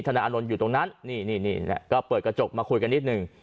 นายอานนท์อยู่ตรงนั้นนี่ก็เปิดกระจกมาคุยกันนิดหนึ่ง